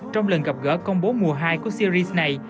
trong lần gặp gỡ công bố mùa hai của series này